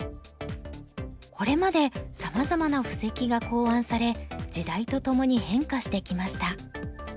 これまでさまざまな布石が考案され時代とともに変化してきました。